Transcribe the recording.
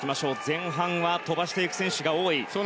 前半は飛ばしていく選手が多い。